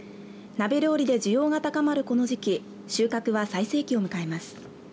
鍋料理で需要が高まるこの時期収穫は最盛期を迎えます。